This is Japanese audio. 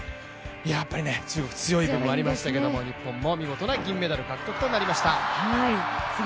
やっぱり中国強い部分もありましたけど、日本も見事な銀メダル獲得となりました。